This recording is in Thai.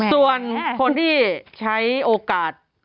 ส่วนคนที่ใช้โอกาส